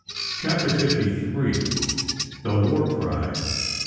CHAPTER FIFTY THREE. THE WAR CRY.